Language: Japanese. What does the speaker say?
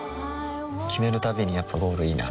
決めるたびにやっぱゴールいいなってふん